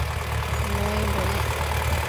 Nuaimbo nec